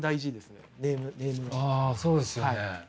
あそうですよね。